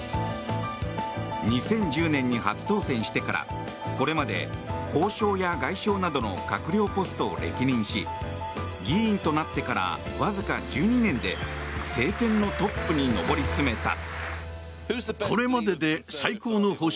２０１０年に初当選してからこれまで、法相や外相などの閣僚ポストを歴任し議員となってからわずか１２年で政権のトップに上り詰めた。